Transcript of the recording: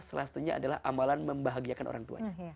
salah satunya adalah amalan membahagiakan orang tuanya